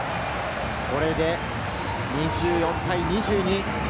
これで２４対２２。